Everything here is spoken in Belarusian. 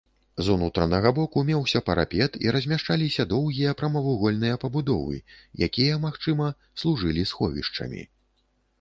З унутранага боку меўся парапет і размяшчаліся доўгія прамавугольныя пабудовы, якія, магчыма, служылі сховішчамі.